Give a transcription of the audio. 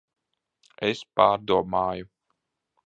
Es pārdomāju.